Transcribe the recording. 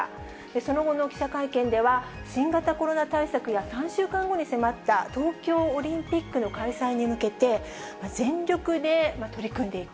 その後の記者会見では、新型コロナ対策や３週間後に迫った東京オリンピックの開催に向けて、全力で取り組んでいく。